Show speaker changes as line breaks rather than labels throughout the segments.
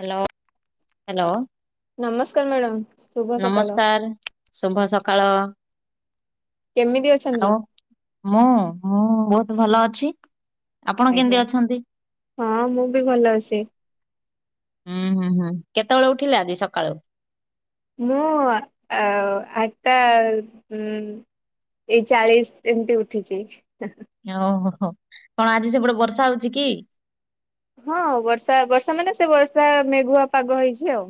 Hello hello
ନମସ୍କାର madam ଶୁଭ ସକାଳ
ନମସ୍କାର ଶୁଭ ସକାଳ
କେମିତି
ଆଉ
ଅଛନ୍ତି?
ମୁଁ ମୁଁ ବହୁତ ଭଲ ଅଛି ଆପଣ କେମିତି
ଆଜ୍ଞା।
ଅଛନ୍ତି
ହଁ ମୁଁ ବି ଭଲ ଅସି
ହୁଁ ହୁଁ ହୁଁ କେତେବେଳେ ଉଠିଲେ ଆଜି ସକାଳୁ
ମୁଁ ଆ -ଆଠଟା ଉ ଏଇ ଚାଳିଶ ଏମିତି ଉଠିଛି
ଓହୋ ହୋ କଣ ଆଜି ସେପଟେ ବର୍ଷା ହଉଛି କି?
ହଁ ବର୍ଷା ବର୍ଷା ମାନେ ସେ ବର୍ଷା ମେଘୁଆ ପାଗ ହେଇଛି ଆଉ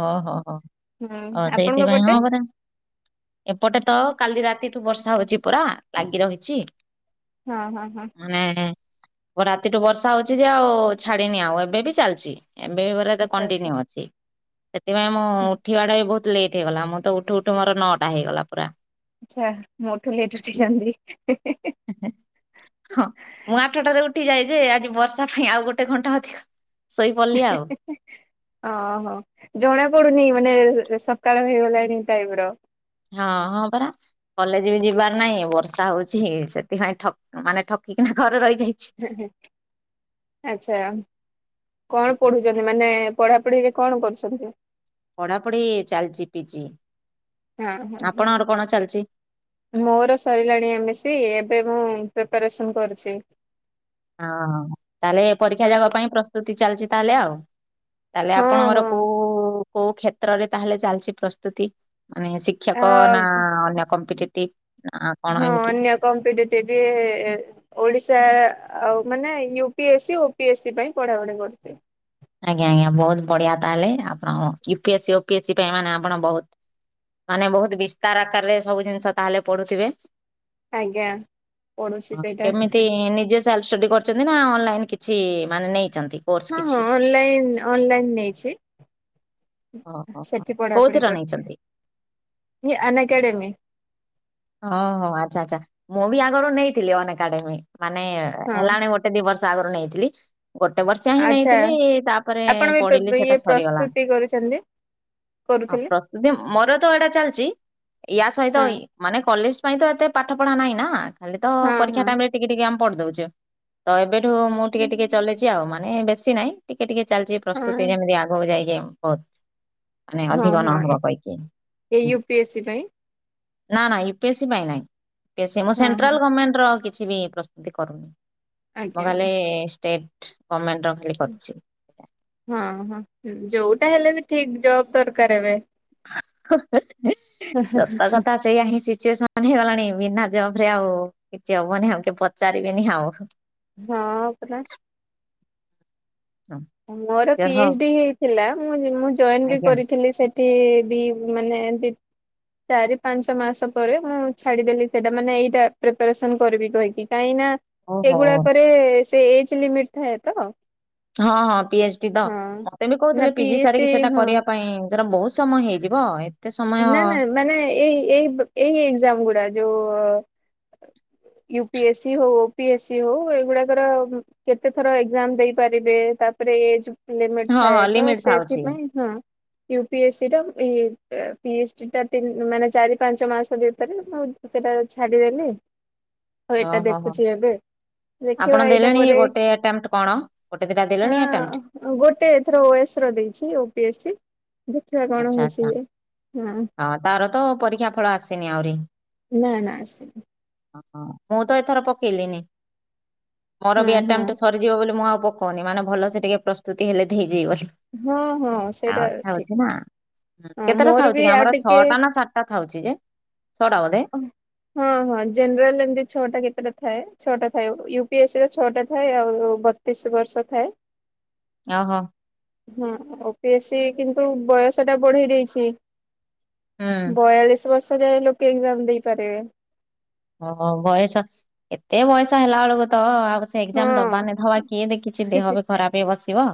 ଓହୋ ହୋ
ହୁଁ
ଓ
ଆପଣଙ୍କ
ସେଇଥିପାଇଁ
ପଟେ?
ହଁ ପରା ଏପଟେ ତ କାଲି ରାତିଠୁ ବର୍ଷା ହଉଛି ପୁରା ଲାଗି ରହିଛି
ହଁ ହଁ ହଁ
ମାନେ ବ ରାତିଠୁ ବର୍ଷା ହଉଛି ଯେ ଆଉ ଛାଡିିନି ଆଉ ଏବେ ବି ଚାଲିଛି ଏବେ ବି ପରା ତ
ଆଚ୍ଛା ଆଚ୍ଛା
କଣ୍ଟିନ୍ୟୁ ଅଛି ସେଥିପାଇଁ ମୁଁ ଉଠିବାଟା ବି ବହୁତ ଲେଟ୍ ହେଇଗଲା ମୁଁ ତ ଉଠୁ ଉଠୁ ମୋର ନଅଟା ହେଇଗଲା ପୁରା
ଆଚ୍ଛା ମୋଠୁ ଲେଟେ ଉଠିଜନ୍ଦିହିଁ ହିଁ
ହେଁ ହେଁ ହଁ ମୁଁ ଆଠଟାରେ ଉଠି ଯାଏ ଯେ ଆଜି ବର୍ଷା ପାଇଁ ଆଉ ଗୋଟେ ଘଣ୍ଟା ଅଧିକ ଶୋଇପଡିଲି ଆଉ
ଓହୋ ଜଣା ପଡୁନି ମାନେ ସକାଳ ହେଇଗଲାଣି ଟାଇପ ର
ହଁ ହଁ ପରା କଲେଜ ବି ଯିବାର ନାହିଁ ବର୍ଷା ହଉଛି ସେଥିପାଇଁ ଠ ମାନେ ଠକିକିନା ଘରେ ରହିଯାଇଛି
ଆଚ୍ଛା କଣ ପଢୁ ଚନ୍ତି ମାନେ ପଢାପଢିରେ କଣ କରୁଛନ୍ତି?
ପଢା ପଢି ଚାଲିଚି ପିଜି
ହଁ ହଁ ହଁ
ଆପଣଙ୍କର କଣ ଚାଲିଛି?
ମୋର ସରିଲାଣି ଏମିସିି ଏବେ ମୁଁ ପ୍ରିପାରେସନ୍ କରୁଛି
ଅ ହଁ ତାହେଲେ ପରୀକ୍ଷା ଯାଗ
ହଁ
ପାଇଁ ପ୍ରସ୍ତୁତି ଚାଲିଛି ତାହେଲେ ଆଉ ତାହେଲେ
ହଁ
ଆପଣଙ୍କର
ହଁ
କୋଉ କୋଉ କ୍ଷେତ୍ରରେ ତାହେଲେ ଚାଲିଛି ପ୍ରସ୍ତୁତି ମାନେ ସି
ଆ
କ୍ଷକ ନା ଅନ୍ୟ କମ୍ପିଟେଟିଭ୍
ହଁ, ଅନ୍ୟ କମ୍ପ୍ୟୁଟିଭ ଓଡିଶା ଆଉ ମାନେ U P S C O P S C ପାଇଁ ପଢା ପଢି କରୁଛି।
ଆଜ୍ଞା, ଆଜ୍ଞା ବହୁତ ବଢିଆ ତାହେଲେ ଆପଣ ୟୁପିଏସ୍, ଓିଏସ୍ ସ ପାଇଁ ମାନେ ଆପଣ ବହୁତ ମାନେ ବହୁତ ବିସ୍ତାର ଆକାରରେ ସବୁ ଜିନିଷ ତା ହେଲେ ପଢୁଥିବେ।
ଆଜ୍ଞା ପଢୁଛି ସେଇଟା
କେମିତି ନିଜେ ଷ୍ଟଡି କରଛନ୍ତି ନା ଅନଲାଇନ କିଛି ମାନେ ନେଇଛନ୍ତି। କୋର୍ସ
ହଁ, ହଁ,
କିଛି?
ଅନଲାଇନ୍, ଅନଲାଇନ ନେଇଛି।
ଓହୋ।
ସେଠି ପଢାପଢି
କୋଉଥିର ନେଇଛନ୍ତି
କରୁଛି ଅନ୍ ଆକାଡେମୀ।
ଓ ହୋ ଆଚ୍ଛା, ଆଛା ମୁଁ ବି ଆଗରୁ ନେଇଥିଲି ଅନ ଏକଡେମୀ ମାନେ
ହଁ
ହେଲାନି ଗୋଟେ ଦିଇ ବର୍ଷ ଆଗରୁ ନେଇଥିଲି। ଗୋଟେ ବର୍ଷ ହିଁ
ଆଚ୍ଛା
ନେଇଥିଲି ତାପରେ
ଆପଣ ବି ପ୍ର
ପଢିଲି
ଇଏ
ସେଟା ସରିଗଲା।
ପ୍ରସ୍ତୁତି କରୁଛନ୍ତି
ହଁ,
କରୁଥିଲେ
ପ୍ରସ୍ତୁତି ମୋର ତ ଏଇଟା ଚାଲିଛି ୟା ସହିତ
ହଁ
ଇ ମାନେ କଲେଜ ପାଇଁ ତ ଏତେ ପାଠ ପଢା ନାହିଁ ନା ଖାଲି ତ
ହଁ
ପରୀକ୍ଷା
ହଁ।
ଟାଇମ୍ ରେ ଟିକେ ଟିକେ ଆମ ପଢି ଦଉଛେ ତ ଏବେଠୁ ମୁଁ ଟିକେ ଟିକେ ଚଲେଇଛି ଆଉ ମାନେ ବେଶୀ ନାହିଁ ଟିକେ ଟିକେ ଚାଲିଛି
ହଁ
ପ୍ରସ୍ତୁତି ଯେମିତି ଆଗକୁ ଯାଇକି ବହୁତ ମାନେ
ହଁ
ଅଧିକ
ହଁ
ନହବ କହିକି
ଏ ୟୁ ପି ଏସ୍ ସି ପାଇଁ
ନା ନା ୟୁ, ପି, ଏସ, ସି ପାଇଁ ନାଇଁ ମୁଁ
ହଁ ହଁ
ସେଣ୍ଟ୍ରାଲ ଗମେଣ୍ଟର କିଛି ବି ପ୍ର ଏମିତି କରୁ ମୁଁ
ଆଜ୍ଞା ଆଜ୍ଞା।
ଖାଲି ଷ୍ଟେଟ୍ ଗମେଣ୍ଟର ଖାଲି କରିଛି।
ହୁଁ ହୁଁ ଯୋଉଟା ହେଲେ ବି ଠିକ୍ ଜବ୍ ଦରକାର ଏବେ
ସତ କଥା। ସେଇୟା ହିଁ ସିଚୁଏସନ୍ ହେଇଗଲାଣି ବିନା ଜବ୍ ରେ ଆଉ କିଛି ହବନି ଆଉ କି ପଚାରିବିନି ଆଉ।
ହଁ ପରା।
ହଁ।
ମୋର ପି, ଏସ, ଡି ହେଇଥିଲା ମୁଁ ମୁଁ ଜଏନ ବି
ଆଜ୍ଞା
କରିଥିଲି ସେ ସେଠି ବି ମାନେ ଏମିତି ଚାରି ପାଞ୍ଚ ମାସ ପରେ ମୁଁ ଛାଡିଦେଲି, ସେଇଟା ମାନେ ଏଇଟା ପ୍ରିପାରେସନ କରିବି କହିକି କାହିଁକି ନା
ଓହୋ।
ଏଗୁଡାକରେ ସେ ଏଜ ଲିମିଟ ଥାଏ ତ
ହଁ, ହଁ ପି, ଏଚ, ଡି ତ
ହଁ।
ମତେ ବି
ନା
କହୁଥିଲେ
ପି
ପିଜି
ଏଚ୍ ଡି
ସାରିକି ସେଇଟା
ହଁ।
କରିବା ପାଇଁ ଏଥର ବହୁତ୍ ସମୟ ହେଇଯିବ। ସମୟ
ନା ନା ମାନେ ଏଇ ଏଇ ଏଇ ଏକ୍ଜାମ ଗୁଡା ଯୋଉ ୟୁ, ପି, ଏସି ହଉ ଓ, ପି, ଏସି ହଉ ଏଗୁଡାକର କେତେ ଥର ଏକ୍ଜାମ୍ ଦେଇପାରିବେ ତାପରେ ଏଜ ଲିମିଟ୍
ହଁ
ଥାଏ
ହଁ
ତ
ଲିମିଟ ଥାଉଛି
ସେଥିପାଇଁ ହଁ ୟୁ, ପି, ଏସି, ଟା ଇ ପିଏ, ଚି, ଡି ଟା ମାନେ ଚାରି ପାଞ୍ଚ ମାସ ଭିତରେ ମୁଁ ସେଟା ଛାଡିଦେଲି। ଆଉ
ଓ
ଏଇଟା
ହୋ ହୋ
ଦେଖୁଛି ଏବେ। ଦେଖିବା
ଆପଣ
ଏଇଟା
ଦେଲେଣି
ପରେ
ଗୋଟେ ଆଣ୍ଟେମଟା କଣ ଗୋଟେ ଦିଟା ଦେଲେଣି ଆଟେମ୍
ହଁ ଗୋଟେ ଏଥର ଓ ଏସ ର ଦେଇଛି ଓ ପି ଏସ୍ ସି ଦେଖିବା କଣ
ଆଚ୍ଛା
ହଉଛି
ଆଚ୍ଛା
ଇଏ। ହୁଁ।
ହଁ, ତାର ତ ପରୀକ୍ଷା ଫଳ ଆସିନି ଆହୁରି।
ନା ନା ଆସିନି।
ମୁଁ ତ ଏଥର ପକେଇଲିିନି ମୋର
ହଁ
ବି
ହଁ
ଆଣ୍ଟେ ବୁଝିବ ବୋଲି ମୁଁ ଆଉ ପକଉନି ମାନେ ଭଲ ସେ ଟିକେ ପ୍ରସ୍ତୁତି ହେଲେ ହେଇଯିବ ବୋଲି।
ହଁ, ହଁ, ସେଇଟା ଠିକ୍।
ଅଛିନା କେତେଟା ଥାଉଛି ଆମର
ଟିକେ
ଛଅଟା ନା ସାତଟା ଥାଉଛି ଯେ ଛଅଟା ବୋଧେ?
ହୁଁ। ହଁ, ହଁ ଜେନେରାଲ ଏମିତି ଛଅଟା କେତେଟା ଥାଏ ଛଅଟା ଥାଏ ୟୁ ପି ଏସ୍ ରେ ଛଅଟା ଥାଏ ଆଉ ଯୋ ବତିଶ ବର୍ଷ ଥାଏ।
ଓହୋ।
ହଁ, ଓ ପି ଏସ୍ ସି କିନ୍ତୁ ବୟସ ଟା ବଢେଇ ଦେଇଛି।
ହୁଁ।
ବୟାଳିଶ ବର୍ଷ ଯାଏ ଲୋକେ ଏକ୍ଜାମ୍ ଦେଇପାରିବେ।
ହଁ ବୟସ ଏତେ ବୟସ ହେଲା ବେଳକୁ ତ ଆଉ ଏକ୍ଜାମ୍
ହଁ
ଦବାନ ଦବା କିଏ ଦେଖିଛି ଦେହ ବି ଖରାପ ହେଇ ବସିବ।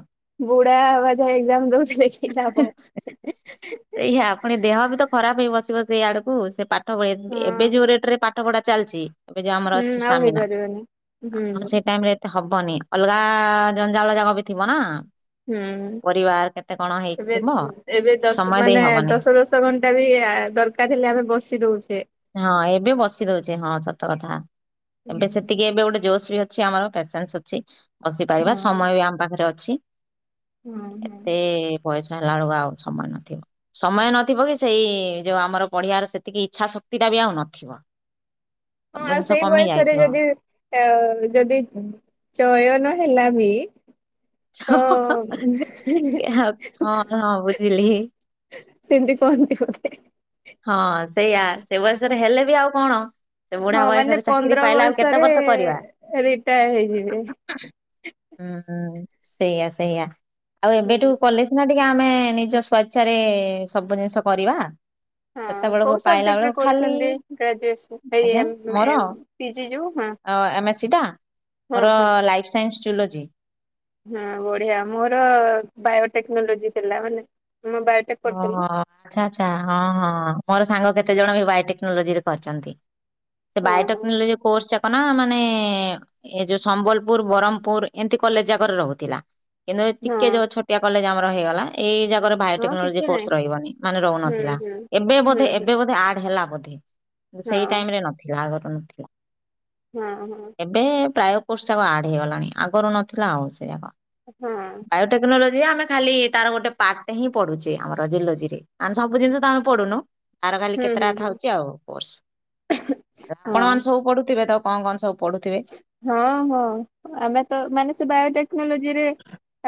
ବୁଢା ହବା ଯାଏ ଏକ୍ଜାମ୍ ଦଉଥିଲେ [unintelligible]
ସେଇଆ ପୁଣି ଦେହ ବି ତ ଖରାପ ହେଇ ବସିବ ସେଇ ଆଡକୁ ସେ ପାଠ
ହଁ
ପଢେଇ ଏବେ ଯୋଉ ରେଟ ରେ ପା ପାଠ ପଢା ଚାଲିଛି ଏବେ ଯୋଉ ଆମର
ହୁଁ
ଅଛି
ଆଉ
ଷ୍ଟାମିନା
ହେଇପାରିବନି ହୁଁ
ଆଉ ସେ ଟାଇମ୍ ରେ ହବନି ଅଲଗା ଜଞ୍ଜାଳ ଜାକ ବି ଥିବ ନା।
ହୁଁ ହୁଁ।
ପରିବାର କେତେ କଣ ହେଇକି
ଏବେ
ଥିଲା?
ଏବେ ଦଶ ମାନେ ଦଶ ଦଶ ଘଣ୍ଟା ବି ଦରକାରେ ହେଲେ ଆମେ ବସି ଦୋଉଛେ।
ହଁ ଏବେ ବସି ଦୋଉଛେ ହଁ ସତ କଥା ଏବେ ସେତିକି
ହୁଁ
ଏବେ ଗୋଟେ ଜୋସେରେ। ଅଛି ଆମର ପେସେନ୍ସେ ଅଛି ବସିପାଇବା
ହଁ
ସମୟ ବି ଆମ ପାଖରେ ଅଛି।
ହଁ ହଁ।
ଏତେ ବୟଷ ହେଲା ବେଳକୁ ଆଉ ସମୟ ନଥିବ। ସମୟ ନଥିବ କି ସେଇ ଯୋଉ ଆମର ପଢିବାର ସେତିକି ଇଚ୍ଛା ଶକ୍ତି ଟା ବି ଆଉ ନଥିବ।
ହଁ
ସବୁ
ଆଉ
ଜିନିଷ
ସେଇ
କମି
ବୟସରେ
ଯାଇଥିବ
ଯଦି ଯଦି ଚୟନ ହେଲା ବି। ତ।
ହଁ ହଁ ବୁଝିଲି।
ସେମିତି କହନ୍ତି ବୋଧେ।
ହଁ ସେଇଆ ସେ ବୟଷରେ ହେଲେ ବି ଆଉ କଣ ସେ ବୁଢା
ହଁ ମାନେ
ବୟଷରେ ଚାକିରି
ପନ୍ଦର
ପାଇଲେ ଆଉ କେତେ
ବର୍ଷରେ
ବର୍ଷ କରିବା।
ରିଟାୟାର ହେଇଯିବେ।
ହୁଁ ହୁଁ ସେଇଆ ସେଇଆ ଆଉ
ହୁଁ।
ଏବେଠୁ କଲେଜେ୍ ସିନା ଟିକେ ଆମେ ନିଜ ସ୍ଵଇଚ୍ଛାରେ ସବୁ ଜିନିଷ କରିବା।
ହଁ
ସେତେବୋଳୁକୁ
କୋଉ
ପାଇଲା
ସବଜେକ୍ଟ ରେ
ବେଳୁକୁ ଖାଲି
କରୁଛନ୍ତି ଗ୍ରାଜୁଏସନ ଏଇ
ଆଜ୍ଞା
ଏମ
ମୋର।
ଏମ ପିଜି ଯୋଉ ହଁ।
ଆମେ ସିଟା
ହଁ
ମୋର
ହଁ
ଲାଇଫ୍ ସାଇନ୍ସି ଜୁଲୋଜି।
ହଁ ବଢିଆ ମୋର ବାୟୋଟେକ୍ନୋଲୋଜି ଥିଲା ମାନେ ମୁଁ ବୟେ
ହୋ ଆଚ୍ଛା ଆଚ୍ଛା ହଁ ମୋର ସାଙ୍ଗ କେତେ ଜଣ ବି ବାୟୋଟେକ୍ନୋଲୋଜିରେ କରିଚନ୍ତି। ସେ
ହଁ ହଁ
ବାୟୋଟେକ୍ନୋଲୋଜି କୋର୍ସ ଯା କଣ ମାନେ ଏ ଯୋଉ ସମ୍ବଲପୁର ବର ହ୍ମପୁରୁ ଏମିତି କଲେଜେ ଜାକରେ ରହୁଥିଲା। କିନ୍ତୁ ଟିକେ
ହଁ
ଯୋଉ ଛୋଟିଆ କଲେଜେ ଆମର ହେଇଗଲା ଏଇ ଜାଗାରେ ପା
ହଁ
ଟେକନୋଲୋଜି
କିଛି ନାହିଁ
କୋର୍ସ ରହିବନି ମାନେ
ହୁଁ
ରହୁନଥିଲା
ହୁଁ।
ଏବେ
ହୁଁ
ବୋଧେ
ହୁଁ
ଏବେ ବୋଧେ ଆଡେ ହେଲା ବୋଧେ।
ହଁ
ସେଇ ଟାଇମ୍ ରେ ନଥିଲା ଆଗରୁ ନଥିଲା।
ହଁ ହଁ।
ଏବେ ପ୍ରାୟ କୋର୍ସ ଯାକ ଆଡ ହେଇଗଲାଣି ଆଗରୁ ନଥିଲା ଆଉ ସେ ଯାକ।
ହୁଁ।
ବାୟୋଟେକ୍ନୋଲୋଜିରେ ଆମେ ଖାଲି ତାର ଗୋଟେ ପାର୍ଟେ ହିଁ ପଡ଼ୁଚେ ଆମର ଜିଲୋଜିରେ ସବୁ ଜିନିଷ ତ ଆମେ ପଢୁନୋହୁଁ। ତାର ଖାଲି
ହୁଁ ହୁଁ ହୁଁ
କେତେଟାଥାଉଚି ଆଉ କୋର୍ସ ଆପଣ
ହଁ
ମାନେ ସବୁ ପଢୁଥୁବେ ତ କଣ କଣ ସବୁ ପଢୁଥିବେ?
ହଁ ହଁ ଆମେ ତ ମାନେ ସେ ବାୟୋଟେକ୍ନୋଲୋଜିରେ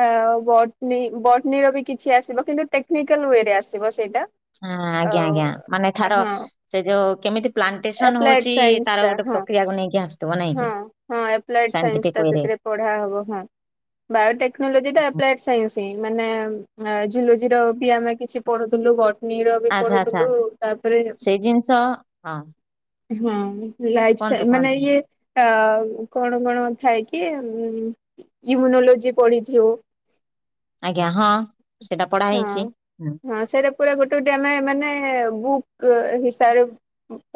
ଆଉ ବଟନୀ ବଟନୀ ର ବି କିଛି ଆସିବ କିନ୍ତୁ ଟେକ୍ନିକାଲ ୱେରେ ଆସିବ ସେଇଟା।
ହଁ ଆଜ୍ଞା
ଆଉ
ଆଜ୍ଞା ମାନେ ଥାର
ହଁ
ସେ ଯୋଉ କେମିତି ପ୍ଲାଣ୍ଟେସନ
ଏପ୍ଲାଏଡ
ହୋଉଚି
ସାଇନ୍ସ
ତାର
ଟା
ଗୋଟେ
ହଁ
ପ୍ରକ୍ରିୟାକୁ ନେଇକି ଆସେ।
ହଁ ହଁ ଏପ୍ଲାଏଡେ୍ ସାଇନ୍ସି ଟା
ୱେରେ
ସେଥିରେ ପଢା ହବ ହଁ। ବାୟୋଟେକ୍ନୋଲୋଜିଟା ଏପ୍ଲାଏଡେ ସାଇନ୍ସି। ଏଇ ମାନେ ଜୁଲୋଜିର ବି ଆମେ କିଛି ପଢୁଥିଲୁ। ବଟ ନୀର ବି
ଆଚ୍ଛା ଆଚ୍ଛା
ପଡୁଥୁଲୁ ତାପରେ
ସେଇ ଜିନିଷ ହଁ
ହଁ ଲାଇଫ୍
କୁହନ୍ତୁ
ସାଇନି ମାନେ
କୁହନ୍ତୁ
ଇଏ ଆଉ କଣ କଣ ଥାଏ କି ୟୁମ୍ୟୁନୋଲୋଜି ପଢିଛୁ।
ଆଜ୍ଞା ହଁ ସେଟା ପଢା ହେଇଛି।
ସେଟା ପୁରା ଗୋଟେ ଗୋଟେ ମାନେ ବୁକ୍ ହିସାବରେ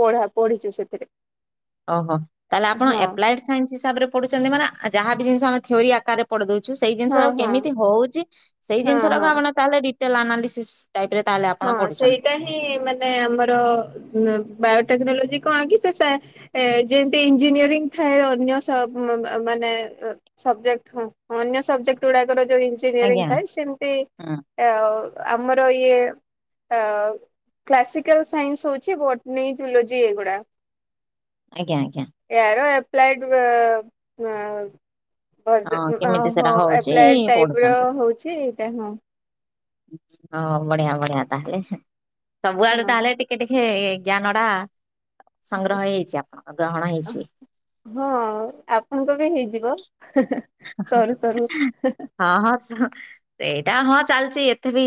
ପଢା ପଢିଚୁ ସେଥିରେ।
ଓହୋ ତାହେଲେ ଆପଣ
ହଁ
ଏପ୍ଲାଏଡେ ସାଇନ୍ସି ହିସାବରେ ପଢୁଚନ୍ତି ମାନେ ଯାହା ବି ଜିନିଷ ଆମେ ଥିଓରି ଆକାରେ ପଢି ଦୋଉଛୁ ସେଇ
ହଁ
ଜିନିଷ
ହଁ।
କେମିତି ହୋଉଚି ସେଇ
ହଁ
ଜିନିଷଟାକୁ
ହଁ
ଆପଣ ତାହେଲେ ଡିଟେଲେ ଆନାଲିସିସ୍ ଲାଇଫରେ ତା
ହଁ ସେଇଟା ହିଁ ମାନେ ଆମର ବାୟୋଟେକ୍ନୋଲୋଜି କଣ କି ସେ ଏ ଯେମିତି ଇଞ୍ଜିନିୟରିଂ ଥାଏ ଅନ୍ୟ ମାନେ ସବଜେକ୍ଟ ହଁଁ ଅନ୍ୟ ସବଜେକ୍ଟ ଗୁଡାର ଯୋଉ ଇଞଜିନିୟ
ଆଜ୍ଞା
ଥାଏ ସେମିତି
ହୁଁ
ଆଉ ଆମର ଇଏ ଅ କ୍ଲାସିକାଲ ସାଇନ୍ସ ହଉଛି ବଟନୀ ଜୁଲୋଜି ଏଗୁଡ଼ା।
ଆଜ୍ଞା ଆଜ୍ଞା।
ୟାର ଏପ୍ଲାଇଡ ଅ
ହଁ
ଭର୍ସନ ଅ
କେମିତି ସେଟା
ହ
ହଉଛି
ଆପ୍ଲାଏଡ ଟାଇପ ର
ପଢୁଛନ୍ତି।
ହଉଛି ଏଇଟା ହଁ।
ହଁ ବଢିଆ ବଢିଆ ତାହେଲେ ସବୁଆଡୁ ତାହେଲେ
ହଁ।
ଟି କେ ଟିକେ ଜ୍ଞାନ ଟା ସଂଗ୍ରହ ହେଇଛି ଆପଣଙ୍କ ଗ୍ରହଣ ହେଇଛି।
ହଁ ଆପଣଙ୍କ ବି ହେଇଯିବ। ସରୁ ସରୁ
ହଁ ହଁ ହଁ ହଁ ସେଇଟା ହଁ ଚାଲିଛି ଏତେ ବି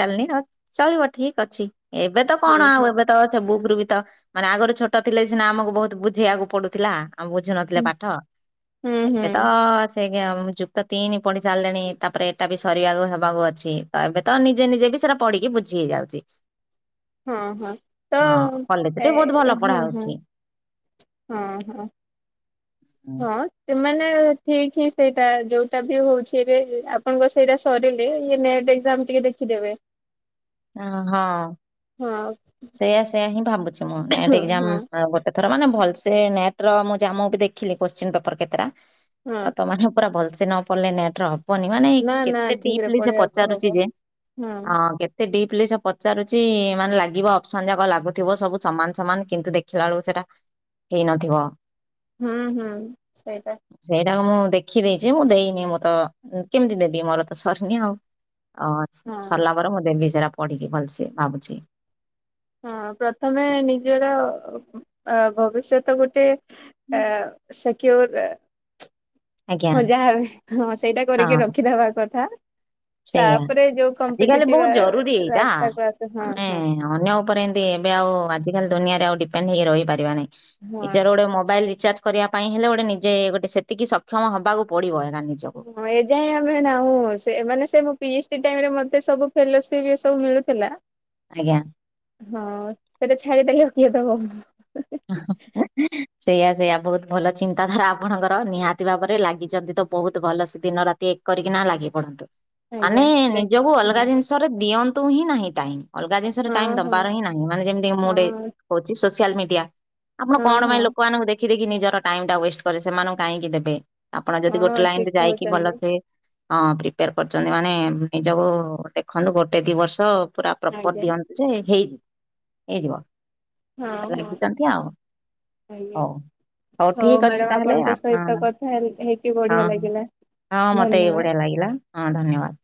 ଚାଲିନି ଚଳିବ ଠିକ ଅଛି। ଏବେ ତ କଣ
ହୁଁ
ଆଉ
ହୁଁ
ଏବେ ତ ସେ ବୁକ ରୁ ବି ତ ମାନେ ଆଗରୁ ଛୋଟ ଥିଲେ ସିନା ଆମକୁ ବହୁତ ବୁଝେଇବାକୁ ପଡୁଥିଲା। ଆମେ ବୁଝୁ ନଥିଲେ
ହୁଁ
ପାଠ
ହୁଁ ହୁଁ
ଏବେ ତ ସେୟା ମୁଁ ଯୁକ୍ତ ତିନି ପଢି ସାରିଲେଣି ତାପରେ ଏଇଟା ବି ସରିବାକୁ ହେବାକୁ ଅଛି ତ ଏବେ ତ ନିଜେ ନିଜେ ବି ସେଇଟା ପଢିକି ବୁଝି ହେଇଯାଉଛି।
ହଁ ହଁ ତ
ହଁ କଲେଜରେ ବହୁତ ଭଲ
ଏ
ପଢା
ହଁ ହଁ।
ହଉଛି।
ହଁ ହଁ। ହଁ। ସେ ମାନେ ଠିକ୍ ହିଁ ସେଇଟା ଯୋଉଟା ବି ହଉଛି ଏବେ ଆପଣଙ୍କ ସେଇଟା ସରିଲେ ଇ ନେଟ ଏକ୍ସାମ ଟିକେ ଦେଖିଦେବେ।
ଓ ହଁ।
ହଁ।
ସେଇୟା ସେଇୟା ହିଁ ଭାବୁଛି ମୁଁ ନେଟ ଏକ୍ସାମ
ହଁ
ଗୋ ଟେଥର ମାନେ ଭଲସେ ନେଟ ର ମୁଁ ଜା ମୁଁ ବି ଦେଖିଲି କୋଶ୍ଚିନ ପେପର କେତେଟା
ହଁ।
ତ ପୁରା ଭଲସେ ନ ପଡ଼ିଲେ ନେଟ୍ ର ହବ ନି ମାନେ
ନା ନା
କେତେ
ଠିକ ରେ
ଡିପଲି ସେ
ପଢିବାକୁ
ପଚାରୁଛି
ହବ
ଯେ
ହୁଁ
ହଁ କେ ତେ ଡିପଲି ସେ ପଚାରୁଛି ମାନେ ଲାଗ ଗିବ ଅପସନ ଯାକ ଲାଗୁଥିବ ସବୁ ସମାନ ସମାନ କିନ୍ତୁ ଦେଖିଲା ବେଳକୁ ସେଇଟା ହେଇନଥିବ।
ହୁଁ ହୁଁ ସେଇଟା।
ସେଇଟାକୁ ମୁଁ ଦେଖି ଦେଇଛି ମୁଁ ଦେଇନି ମୁଁ ତ କେମିତି ଦେବି ମୋର ତ ସରିନି ଆଉ। ଅ
ହଁ
ସରିଲା ପରେ ମୁଁ ଦେବି ସେଟା ପଢିକି ଭଲସେ ଭାବୁଛି।
ହଁ ପ୍ରଥମେ ନିଜର ଭବିଷ୍ୟତ ଗୋଟେ ଅ ସେକ୍ୟୁର୍
ଆଜ୍ଞା
ହଁ ଯାହାବି ହଁ ସେଇଟା
ହଁ
କରିକି ରଖିଦବା କଥା।
ସେଇଆ
ତାପରେ ଯୋଉ
ଆଜିକାଲି ବହୁତ
କମ୍ପିଟେଟିଭ
ଜରୁରୀ
ରାସ୍ତା କୁ ଆସ ହଁ ହଁ।
ଏମତି ଏବେ ଆଉ ଆଜିକାଲି ଦୁିଆରେ ଆଉ ଡିପେଣ୍ଡ ହେଇ ରହିପାରିବା ନାହି
ହଁ।
ନିଜର ଗୋଟେ ମୋବାଇଲ ରିଚାର୍ଜ କରିବା ପାଇଁ ହେଲେ ଗୋଟେ ନିଜେ ଗୋଟେ ସେତିକି ସକ୍ଷମ ହବାକୁ ପଡିବ ଆକାନି।
[inaudible] ହଁ ଏ ଯାଇଁ ଆମେ ନାହୁଁ ସେ ମାନେ ସେ ମୋ ପି ଏଚ ଡି ଟାଇମରେ ମତେ ସବୁ ଫେଲୋସିପ ଇଏ ସବୁ ମିଳୁଥିଲା।
ଆଜ୍ଞା।
ହଁ ସେଟା ଛାଡି ଦେଲେ ଆଉ କିଏ ଦବ?
ହ ସେଇଆ ସେଇଆ ବହୁତ ଭଲ ଚିନ୍ତାଧାରା ଆପଣଙ୍କର। ନିହାତି ଭାବରେ ଲାଗିଛନ୍ତି ତ ବହୁତ ଭଲସେ ଦିନ ରା ଏକ କରିକି ନା ଲାଗି ପଡନ୍ତୁ ମାନେ
ଆଜ୍ଞା ଦେଖ
ନିଜକୁ ଅଲଗା
ହଁ
ଜିନିଷରେ ଦିଅନ୍ତୁ ହିଁ ନାହିଁ ଟାଇମ। ଅଲଗା ଜିନିଷରେ
ହଁ
ଟାଇମ୍
ହଁ
ଦବାର ହିଁ ନାହିଁ ମାନେ ଯେମିତି ମୁଁ ଗୋଟେ
ହଁ
କହୁଛି ସୋସିଆଲ ମିଡିଆ। ଆପଣ
ହଁ
କଣ
ହଁ
ପାଇଁ ଲୋକମାନଙ୍କୁ ଦେଖି ଦେଖି ନିଜର ଟାଇମ ଟା ୱେଷ୍ଟ କରିବେ ସେମାନଙ୍କୁ କାହିଁକି ଦେବେ। ଆପଣ ଯଦି
ହଁ
ଗୋଟେ
ଠିକ
ଲାଇନ୍ ରେ ଯାଇକି
କହୁଛନ୍ତି
ଭଲସେ ହଁ ପ୍ରିପେୟାର କରୁଛନ୍ତି ମାନେ ନିଜକୁ ଦେଖନ୍ତୁ ଗୋଟେ ଦି ବର୍ଷ। ପୁରା ପ୍ରପର
ଆଜ୍ଞା
ଦିଅନ୍ତୁ ଯେ ହେଇଯିବ, ହେଇଯିବ।
ହଁ ହଁ।
ଏମିତି ଆଉ।
ଆଜ୍ଞା।
ହଉ।
ହଉ
ଠିକ ଅଛି
ମ୍ୟାଡାମ
ତାହେଲେ
ଆପଣଙ୍କ
ଆପଣ
ସହିତ
ହଁ
କଥା ହେଲି ହେଇକି ବଢିଆ
ହଁ
ଲାଗିଲା
ହଁ ମତେ ଏଇ
ଧନ୍ୟବାଦ।
ବଢିଆ ଲାଗିଲା ହଁ ଧନ୍ୟବାଦ।